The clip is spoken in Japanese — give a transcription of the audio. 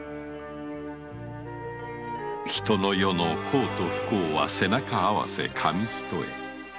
人の世の幸と不幸は背中合わせ紙一重。